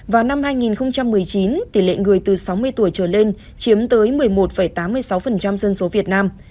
vào năm hai nghìn một mươi chín tỷ lệ người từ sáu mươi tuổi trở lên chiếm tới một mươi một tám mươi sáu dân số việt nam